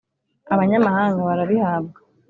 Abanyamahanga barabihabwa